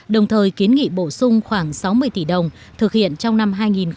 đồng thời kiến nghị bổ sung khoảng sáu mươi tỷ đồng thực hiện trong năm hai nghìn một mươi chín